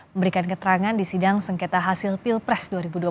memberikan keterangan di sidang sengketa hasil pilpres dua ribu dua puluh